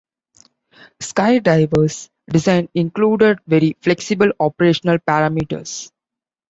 Skydiver's design included very flexible operational parameters.